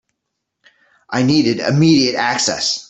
I needed immediate access.